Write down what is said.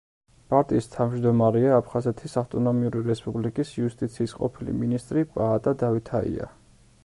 პარტიის თავმჯდომარეა აფხაზეთის ავტონომიური რესპუბლიკის იუსტიციის ყოფილი მინისტრი პაატა დავითაია.